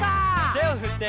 「手を振って」